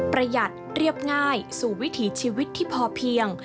ประหยัดเรียบง่ายสู่วิถีชีวิตที่พอเพียง